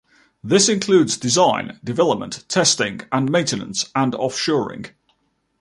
This includes design, development, testing and maintenance, and off-shoring.